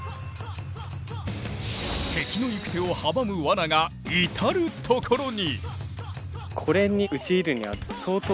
敵の行く手を阻むワナが至る所に。